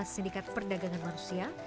dua belas sindikat perdagangan manusia